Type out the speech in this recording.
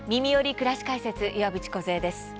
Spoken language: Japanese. くらし解説」岩渕梢です。